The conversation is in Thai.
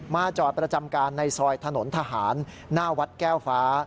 จอดประจำการในซอยถนนทหารหน้าวัดแก้วฟ้า